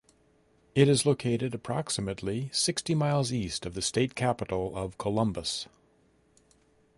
It is located approximately sixty miles east of the state capital of Columbus.